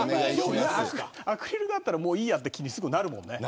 アクリルがあったらもういいやって気になるもんね。